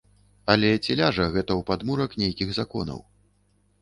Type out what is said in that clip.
Але ці ляжа гэта ў падмурак нейкіх законаў?